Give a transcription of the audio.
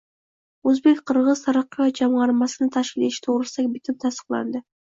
O‘zbek–qirg‘iz taraqqiyot jamg‘armasini tashkil etish to‘g‘risidagi bitim tasdiqlandi